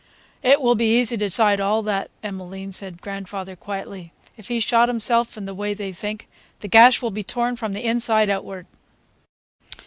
"It will be easy to decide all that, Emmaline," said grandfather quietly. "If he shot himself in the way they think, the gash will be torn from the inside outward."